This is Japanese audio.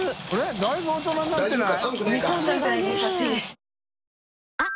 △だいぶ大人になってない？